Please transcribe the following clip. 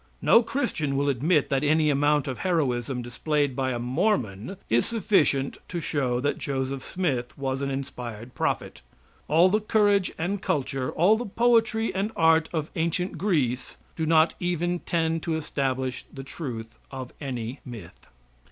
No Christian will admit that any amount of heroism displayed by a Mormon is sufficient to show that Joseph Smith was an inspired prophet. All the courage and culture, all the poetry and art of ancient Greece do not even tend to establish the truth of any myth.